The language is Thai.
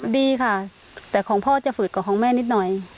ดีค่ะแต่ของพ่อจะฝืดกว่าของแม่นิดหน่อย